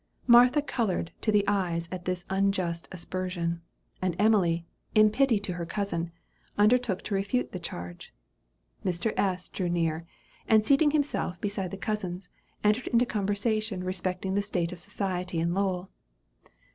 Martha colored to the eyes at this unjust aspersion; and Emily, in pity to her cousin, undertook to refute the charge. Mr. S. drew near, and seating himself by the cousins, entered into conversation respecting the state of society in Lowell.